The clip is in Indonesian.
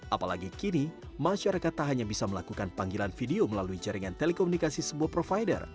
apalagi kini masyarakat tak hanya bisa melakukan panggilan video melalui jaringan telekomunikasi sebuah provider